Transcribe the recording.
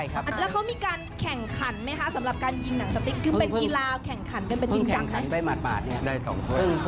คือเป็นกีฬาแข่งขันแล้วก็เป็นจริงจัง